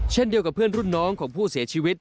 เช่นเดียวกับเพื่อนรุ่นน้องของผู้เสียชีวิต